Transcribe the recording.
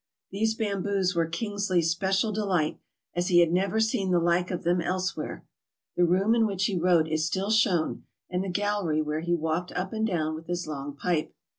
These bamboos were Kingsley's special delight, as he had never seen the like of them elsewhere. The room in which he wrote is still shown, and the gallery where he walked up and down with his long pipe.